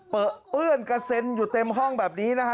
เอื้อนกระเซ็นอยู่เต็มห้องแบบนี้นะฮะ